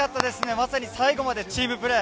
まさに最後までチームプレー。